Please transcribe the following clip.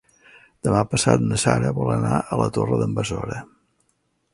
Demà passat na Sara vol anar a la Torre d'en Besora.